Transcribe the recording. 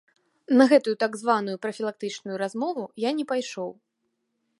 На гэтую так званую прафілактычную размову я не пайшоў.